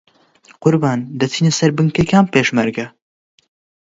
قوربان دەچینە سەر بنکەی کام پێشمەرگە؟